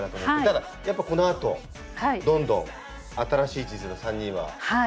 ただやっぱこのあとどんどん新しい地図の３人は成長していくから。